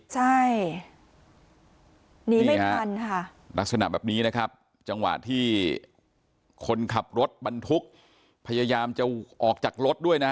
ใช่หนีไม่ทันค่ะนี่ฮะลักษณะแบบนี้นะครับ